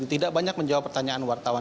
tidak banyak menjawab pertanyaan wartawan